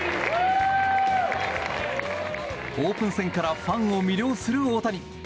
オープン戦からファンを魅了する大谷。